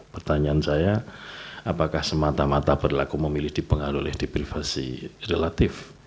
pertanyaan saya apakah semata mata berlaku memilih dipengaruhi deprivasi